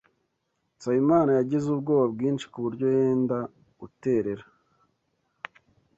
Nsabimana yagize ubwoba bwinshi kuburyo yenda guterera.